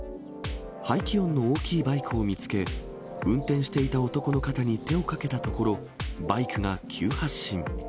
排気音の大きいバイクを見つけ、運転していた男の肩に手をかけたところ、バイクが急発進。